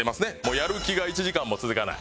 やる気が１時間も続かない。